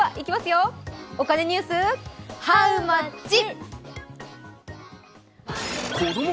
お金ニュース、ハウマッチ？